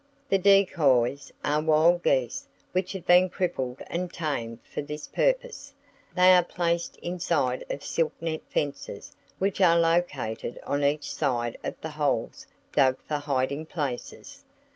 … "The decoys are wild geese which had been crippled and tamed for this purpose. They are placed inside of silk net fences which are located on each side of the holes dug for hiding places.